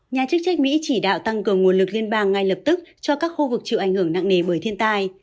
nhà chức trách mỹ chỉ đạo tăng cường nguồn lực liên bang ngay lập tức cho các khu vực chịu ảnh hưởng nặng nề bởi thiên tai